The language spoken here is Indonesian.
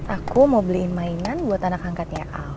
aku mau beliin mainan buat anak angkatnya